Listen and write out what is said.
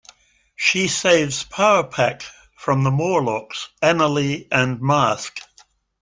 She saves Power Pack from the Morlocks Annalee and Masque.